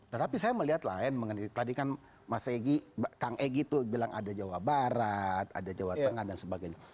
tetapi saya melihat lain mengenai tadi kan kang egy itu bilang ada jawa barat ada jawa tengah dan sebagainya